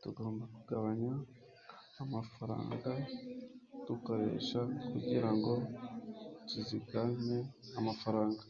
tugomba kugabanya amafaranga dukoresha kugirango tuzigame amafaranga